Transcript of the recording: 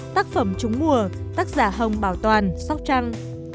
ba tác phẩm chúng mùa tác giả hồng bảo toàn sóc trăng